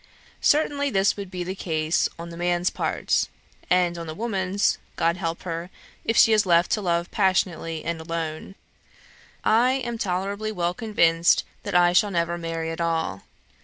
Certainly this would be the case on the man's part; and on the woman's God help her, if she is left to love passionately and alone. "I am tolerably well convinced that I shall never marry at all.